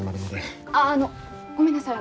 あああのごめんなさい